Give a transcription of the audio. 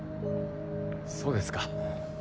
そうですか。